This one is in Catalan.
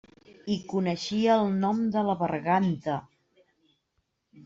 I coneixia el nom de la berganta!